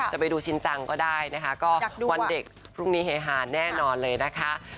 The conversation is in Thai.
จะไปดูชินจังก็ได้นะคะก็วันเด็กพรุ่งนี้เฮฮาแน่นอนเลยนะคะ